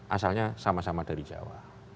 asalnya sama sama dari jawa